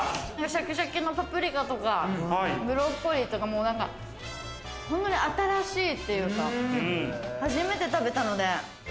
シャキシャキのパプリカとかブロッコリーとかなんか、本当に新しいっていうか、初めて食べたので。